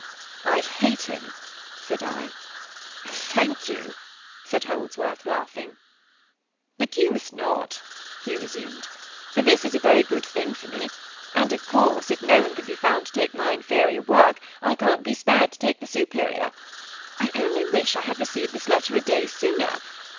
"I hate him," said I. "Thank you," said Holdsworth, laughing. "But you must not," he resumed; "for this is a very good thing for me, and, of course, if no one can be found to take my inferior work, I can't be spared to take the superior. I only wish I had received this letter a day sooner.